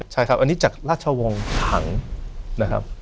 ใช่ครับอันนี้จากราชวงศ์ถังนะครับ